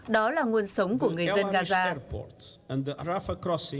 đó là nguồn sống của người dân gaza